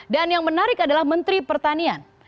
dan yang menarik adalah menteri pertanian